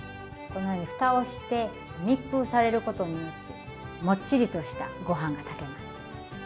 このようにふたをして密封されることによってもっちりとしたご飯が炊けます。